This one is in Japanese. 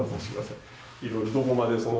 いろいろどこまでその。